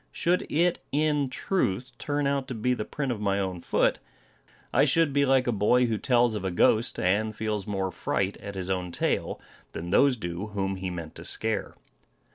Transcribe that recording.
Should it in truth turn out to be the print of my own foot, I should be like a boy who tells of a ghost, and feels more fright at his own tale, than those do whom he meant to scare.